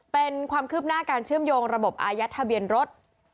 เป็นความคืบหน้าการเชื่อมโยงระบบอายัดทะเบียนรถ